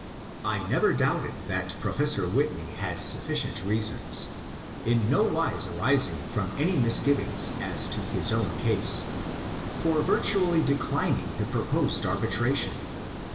I never doubted that Professor Whitney had sufficient reasons, in nowise arising from any misgivings as to his own case, for virtually declining the proposed arbi tration.